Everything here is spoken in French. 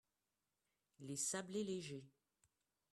les sablés légers